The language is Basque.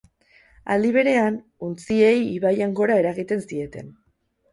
Aldi berean, untziei ibaian gora eragiten zieten.